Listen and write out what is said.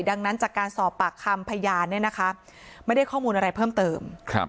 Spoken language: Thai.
ดังนั้นจากการสอบปากคำพยานเนี่ยนะคะไม่ได้ข้อมูลอะไรเพิ่มเติม